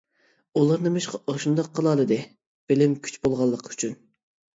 ئۇلار نېمىشقا ئاشۇنداق قىلالىدى؟ «بىلىم-كۈچ» بولغانلىقى ئۈچۈن.